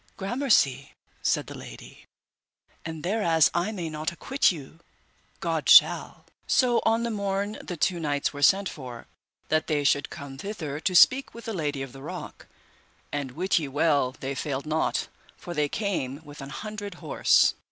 Gramercy said the lady, and thereas I may not acquit you, God shall. So on the morn the two knights were sent for, that they should come thither to speak with the Lady of the Rock, and wit ye well they failed not, for they came with an hundred horse.